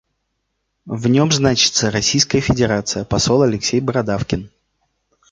В нем значится Российская Федерация, посол Алексей Бородавкин.